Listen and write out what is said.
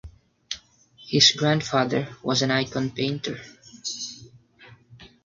His grandfather was an icon painter.